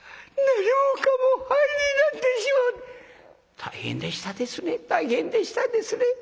「大変でしたですね大変でしたですね。